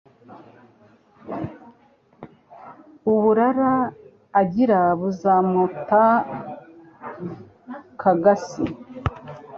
uburara agira buzamuta k' agasi